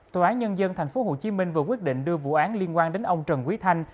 tòa án nhân dân tp hcm vừa quyết định đưa vụ án liên quan đến ông trần quý thanh